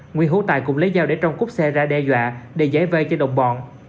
nguyễn hữu tài cũng lấy dao để trong cúp xe ra đe dọa để giải vây cho đồng bọn